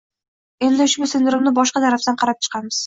Endi ushbu sindromni boshqa tarafdan qarab chiqamiz: